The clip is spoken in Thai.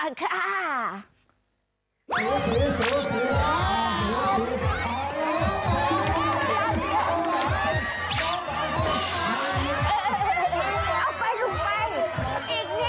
เอาไปลูกไปมาไปมามาลงไปลงไปมาต้องไปแล้วลองลงไปเลย